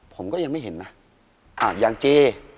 ผมก็ยังไม่เห็นนะอย่างเจ